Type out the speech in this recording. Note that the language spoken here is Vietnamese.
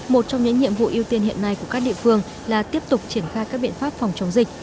một trong những nhiệm vụ ưu tiên hiện nay của các địa phương là tiếp tục triển khai các biện pháp phòng chống dịch